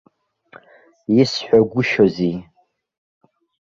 Исҳәагәышьози?